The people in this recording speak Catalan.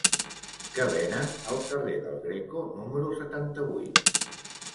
Què venen al carrer del Greco número setanta-vuit?